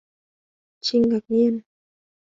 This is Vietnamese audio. Trinh ngạc nhiên